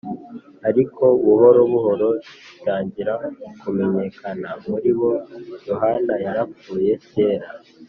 Ariko buhoro buhoro, gitangira kumenyekana muri bo (Yohana yarapfuye kera)